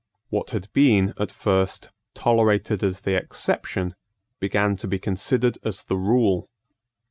What had been at first tolerated as the exception began to be considered as the rule.